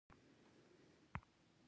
وضعیت د ویګي دولت له زغمه وتلی و.